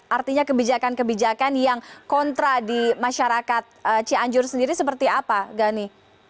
artinya kebijakan kebijakan yang kontra di masyarakat cianjur sendiri seperti apa gani